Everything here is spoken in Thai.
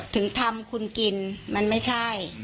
ถึงทำคุณกินมันไม่ใช่